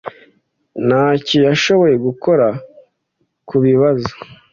ntacyo yashoboye gukora kubibazo